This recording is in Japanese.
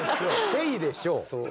「セイでしょう！」。